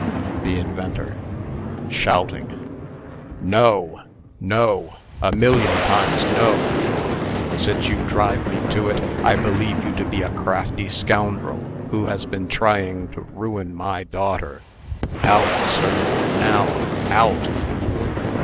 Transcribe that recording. THE INVENTOR (shouting). "No! no! a million times, no! since you drive me to it. I believe you to be a crafty scoundrel, who has been trying to ruin my daughter. Out, sir, now out!"